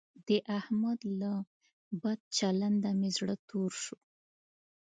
د احمد له بد چلنده مې زړه تور شو.